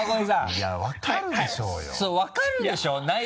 いや分かるでしょうよ。